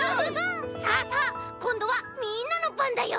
さあさあこんどはみんなのばんだよ！